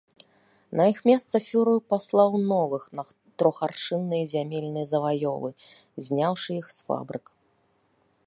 На іх месца фюрэр паслаў новых на трохаршынныя зямельныя заваёвы, зняўшы іх з фабрык.